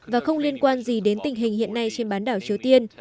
và không liên quan gì đến tình hình hiện nay trên bán đảo triều tiên